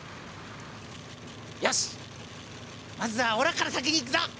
よしっまずはオラから先に行くぞ！